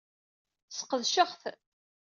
Sseqdaceɣ-t.